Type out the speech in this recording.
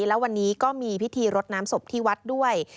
แล้ววันนี้ก็มีพิธีรดน้ำศพที่วัดด้วย